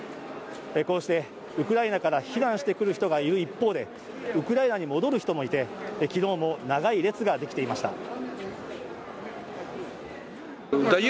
こうしてウクライナから避難してくる人がいる一方でウクライナに戻る人もいて、昨日も長い列ができていました。